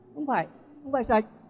không phải không phải sạch